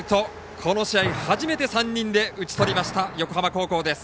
この試合、初めて３人で打ちとりました横浜高校です。